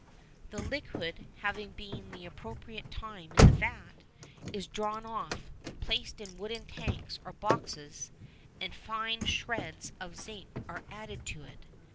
The liquid, having been the appropriate time in the vat, is drawn off, placed in wooden tanks or boxes, and fine shreds of zinc are added to it.